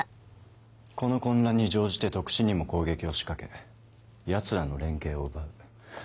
この混乱に乗じて特進にも攻撃を仕掛けヤツらの連携を奪う。